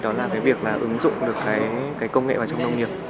đó là cái việc là ứng dụng được cái công nghệ vào trong nông nghiệp